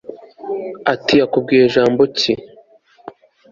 ati yakubwiye jambo ki